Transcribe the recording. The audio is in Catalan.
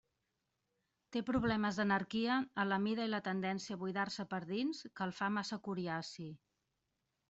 Té problemes d'anarquia en la mida i la tendència a buidar-se per dins que el fa massa coriaci.